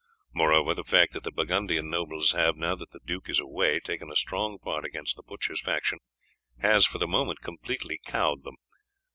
Moreover, the fact that the Burgundian nobles have, now that the duke is away, taken a strong part against the butchers' faction has for the moment completely cowed them.